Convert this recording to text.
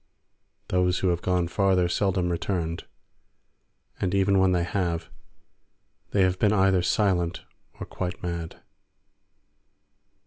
Those who have gone farther seldom returned, and even when they have, they have been either silent or quite mad.